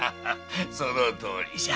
そのとおりじゃ。